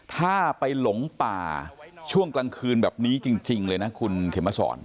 ถ้าไปหลงป่าช่วงกลางคืนแบบนี้จริงเลยนะคุณเข็มมาสอน